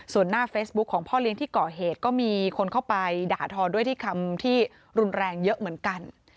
ส่วนหน้าเฟซบุ๊คของพ่อเลี้ยงที่ก่อเหตุก็มีคนเข้าไปด่าทอด้วยที่คำที่รุนแรงเยอะเหมือนกัน